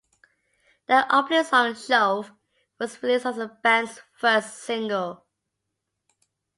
The opening song, "Shove", was released as the band's first single.